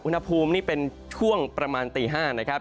อุณหภูมินี่เป็นช่วงประมาณตี๕นะครับ